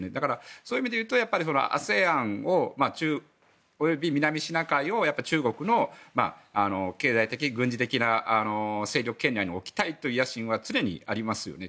そういう意味で言うとＡＳＥＡＮおよび南シナ海を中国の経済的、軍事的な勢力圏内に置きたいという野心は常にありますよね。